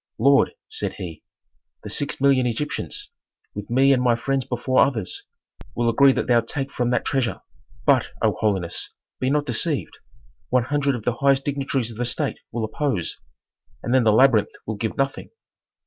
"Lord," said he, "the six million Egyptians, with me and my friends before others, will agree that thou take from that treasure. But, O holiness, be not deceived; one hundred of the highest dignitaries of the state will oppose, and then the labyrinth will give nothing."